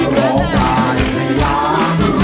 ร้องได้ให้ล้าน